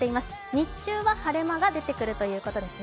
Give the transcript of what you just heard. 日中は晴れ間が出てくるということですよ。